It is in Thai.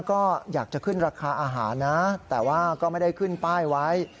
ก็อยากจะขึ้นราคาอาหารนะแต่ว่าก็ไม่ได้ขึ้นป้ายไว้